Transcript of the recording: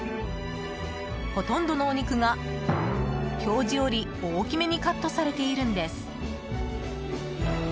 ほとんどのお肉が、表示より大きめにカットされているんです。